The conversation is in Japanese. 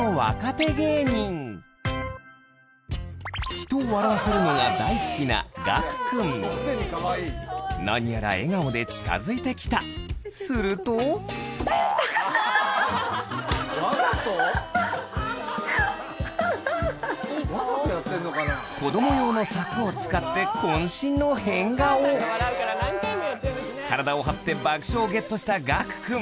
人を笑わせるのが大好きな何やら笑顔で近づいてきたすると子供用の柵を使って体を張って爆笑をゲットしたがくくん